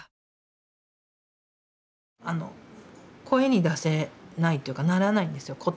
声に出せないというかならないんですよ